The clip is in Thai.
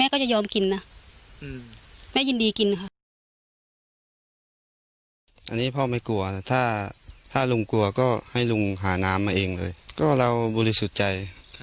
ก็เราบูริสุทธิ์ใจ